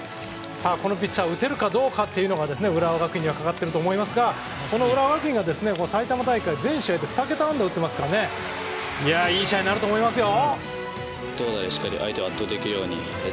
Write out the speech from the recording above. このピッチャー打てるかどうかが浦和学院にはかかっていると思いますが浦和学院では埼玉大会全試合で２桁安打を打ってますからいい試合になると思いますよ。